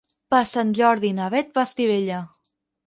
Per Sant Jordi na Bet va a Estivella.